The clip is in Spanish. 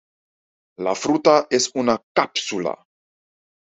La fruta es una cápsula.